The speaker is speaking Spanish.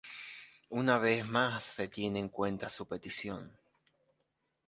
Una vez más se tiene en cuenta su petición.